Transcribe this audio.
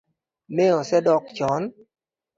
Ne osedok chon